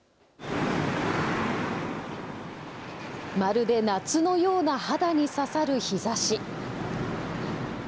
まるで夏のような肌に刺さる日ざし。